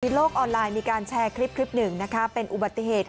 ในโลกออนไลน์มีการแชร์คลิป๑เป็นอุบัติเหตุ